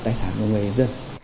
tài sản của người dân